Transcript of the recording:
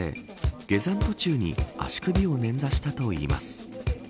下山途中に足首をねんざしたといいます。